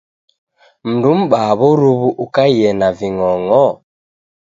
Mndu m'baa w'oruw'u ukaiee na ving'ong'o?